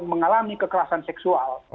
mengalami kekerasan seksual